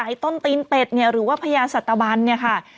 ต้นตีนเป็ดเนี่ยหรือว่าพญาสัตบันเนี่ยค่ะ